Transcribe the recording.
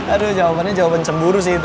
aduh jawabannya jawaban cemburu sih itu